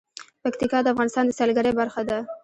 پکتیکا د افغانستان د سیلګرۍ برخه ده.